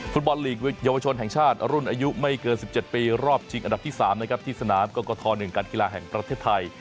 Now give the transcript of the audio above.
ฟุตบอลลีกเยาวชนแห่งชาติรุ่นอายุไม่เกิน๑๗ปีรอบชิงอันดับที่๓นะครับที่สนามกรกฐ๑การกีฬาแห่งประเทศไทย